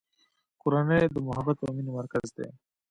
کورنۍ د محبت او مینې مرکز دی.